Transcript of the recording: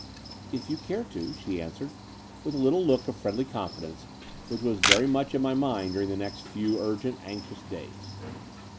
"If you care to," she answered, with a little look of friendly confidence, which was much in my mind during the next few urgent, anxious days.